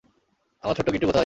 আমার ছোট্ট গিট্টু কোথায়?